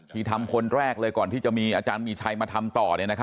ที่ทำคนแรกเลยก่อนที่จะมีอาจารย์มีชัยมาทำต่อ